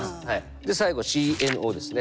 で最後ＣＮＯですね。